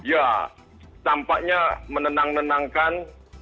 ya tampaknya menenang nenangkan